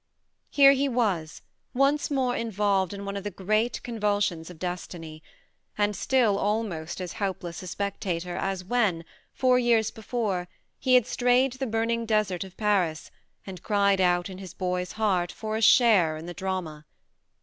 ... Here he was, once more involved in one of the great convulsions of destiny, and still almost as helpless a spectator as when, four years before, he had strayed the burning desert of Paris and cried out in his boy's heart for a share in the drama.